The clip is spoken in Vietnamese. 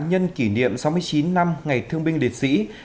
nhân kỷ niệm sáu mươi chín năm ngày thương binh liệt sĩ